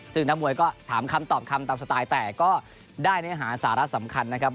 ซึ่งนักมวยก็ถามคำตอบคำตามสไตล์แต่ก็ได้เนื้อหาสาระสำคัญนะครับ